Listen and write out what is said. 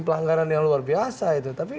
pelanggaran yang luar biasa itu tapi